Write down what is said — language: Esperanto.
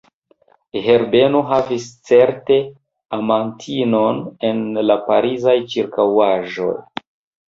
Herbeno havis certe amantinon en la Parizaj ĉirkaŭaĵoj.